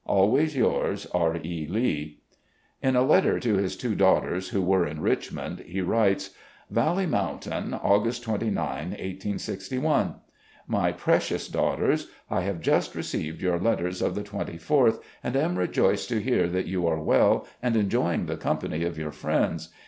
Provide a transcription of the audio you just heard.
Always yours, "R. E. Lee." In a letter to his two daughters who were in Richmond, he writes: "Valley Mountain, August 29, 1861. " My Precious Daughters: I have just received yoiu* let ters of the 24th and am rejoiced to hear that you are well and enjoying the company of your friends.